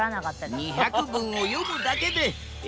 ２００文を読むだけでえ！？